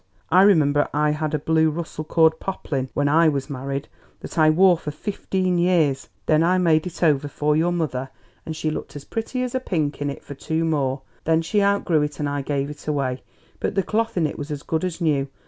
I remember I had a blue Russell cord poplin when I was married that I wore for fifteen years; then I made it over for your mother, and she looked as pretty as a pink in it for two more; then she outgrew it and I gave it away; but the cloth in it was as good as new.